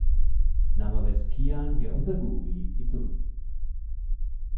ނަމަވެސް ކިޔާންގެ އުނދަގޫ ވީ އިތުރު